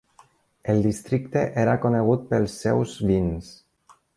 El districte era conegut pels seus vins.